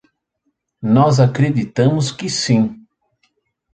Nós acreditamos que sim.